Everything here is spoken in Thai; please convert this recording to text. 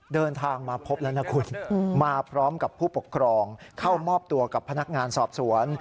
เดินทางมาพบแล้วนะคุณมาพร้อมกับผู้ปกครองเข้ามอบตัวกับพนักงานสอบสวน